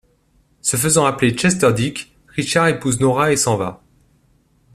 Se faisant appeler Chester Dick, Richard épouse Nora et s'en va.